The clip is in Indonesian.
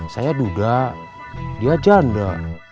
saya duda dia janda